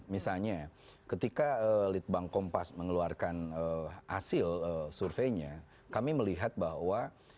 misalnya ketika litbang kompas mengeluarkan hasil surveinya kami melihat bahwa